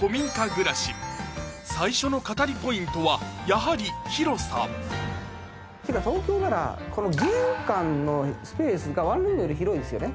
暮らし最初の語りポイントはやはり広さてか東京ならこの玄関のスペースが１ルームより広いんですよね